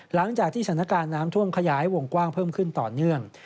หลังจากที่สถานการณ์น้ำท่วมขยายวงกว้างเพิ่มขึ้นต่อเนื่อง